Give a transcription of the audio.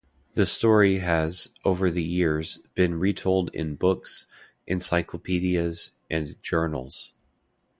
The story has, over the years, been retold in books, encyclopedias, and journals.